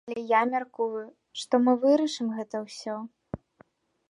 Але я мяркую, што мы вырашым гэта ўсё.